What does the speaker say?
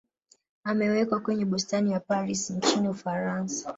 amewekwa kwenye bustani ya paris nchini ufaransa